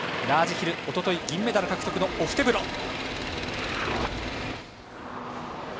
ラージヒル、おととい銀メダル獲得のオフテブロ。